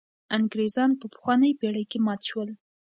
انګرېزان په پخوانۍ پېړۍ کې مات شول.